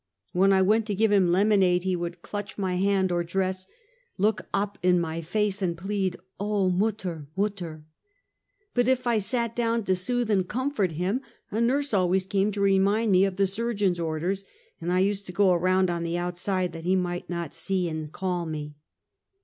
When I went to give him lemonade, he would clutch my hand or dress, look up in my face, and plead: " Oh, mutter! mutter! " But if I sat down to soothe and comfort him, a nurse always came to remind me of the surgeon's orders, and I used to go around on the outside, that he might not see and call me.